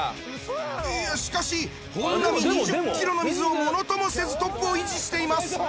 しかし本並２０キロの水をものともせずトップを維持しています。